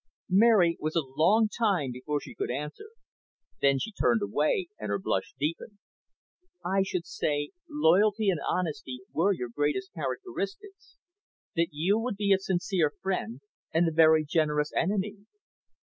Mary was a long time before she would answer. Then she turned away, and her blush deepened. "I should say loyalty and honesty were your greatest characteristics. That you would be a sincere friend and a very generous enemy."